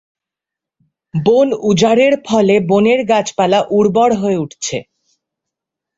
বন উজাড়ের ফলে বনের গাছপালা উর্বর হয়ে উঠছে।